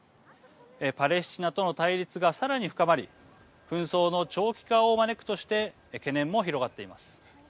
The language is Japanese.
パレスチナとの対立がさらに深まり紛争の長期化を招くとして懸念も広がっています。